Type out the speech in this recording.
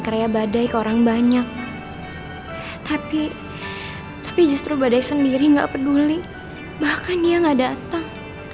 karya badai ke orang banyak tapi tapi justru badai sendiri enggak peduli bahkan dia nggak datang